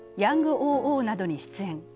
おー！」などに出演。